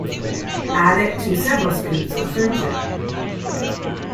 Add to it several scoops of friendship.